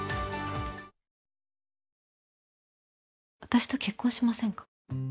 私と結婚しませんか。